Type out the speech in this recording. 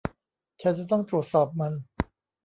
ฉันจะต้องตรวจสอบมัน